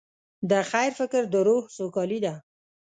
د خیر فکر د روح سوکالي ده.